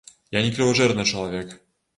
Я не крыважэрны чалавек.